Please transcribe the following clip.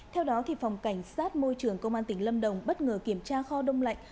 theo đó phòng cảnh sát môi trường công an tỉnh lâm đồng bất ngờ kiểm tra kho đông lạnh